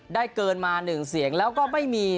เกินมา๑เสียงแล้วก็ไม่มี